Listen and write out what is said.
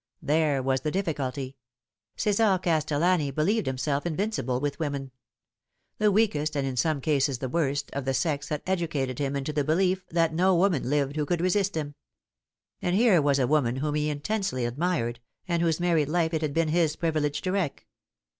There was the difficulty. Ce"sar Castellani believed himself invincible with women. The weakest, and in some cases the worst, of the Bex had educated him into the belief that no woman lived who 214 The Fatal Three. could resist him. And here was a woman whom he intensely admired, and whose married life it had been his privilege to wreck.